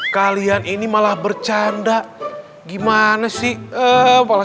kalian ini malah bercanda gimana sih